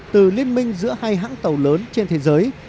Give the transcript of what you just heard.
từ liên minh giữa hai hãng tàu lớn trên thế giới